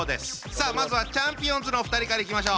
さあまずはちゃんぴおんずのお二人からいきましょう。